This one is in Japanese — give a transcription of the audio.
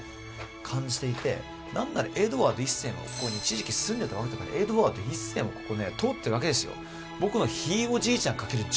感じていてなんならエドワード１世もここに一時期住んでたわけだからエドワード１世もここね通ってるわけですよ